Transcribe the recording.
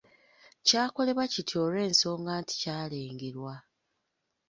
Kyakolebwa kiti olw’ensonga nti kyalengerwa.